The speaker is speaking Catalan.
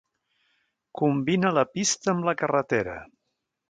Combina la pista amb la carretera.